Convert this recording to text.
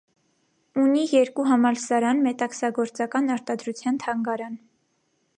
Ունի երկու համալսարան, մետաքսագործական արտադրության թանգարան։